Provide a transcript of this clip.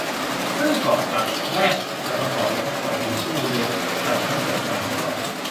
ซึ่งเกาะหลักแรดจะประกอบด้วยเกาะหินปูเรียงกันทั้งหมด สาม ก้อน